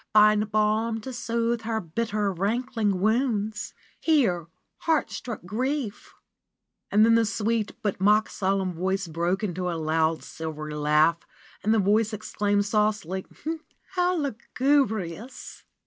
Find balm to soothe her bitter, rankling wounds ; Here heart struck Grief " And then the sweet, but mock solemn voice broke into a loud, silvery laugh and the voice exclaimed saucily : "How lugubrious